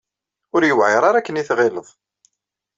Ur yuɛir ara akken i tɣileḍ.